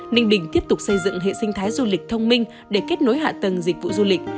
ninh bình tiếp tục xây dựng hệ sinh thái du lịch thông minh để kết nối hạ tầng dịch vụ du lịch